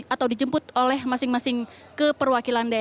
atau dijemput oleh masing masing keperwakilan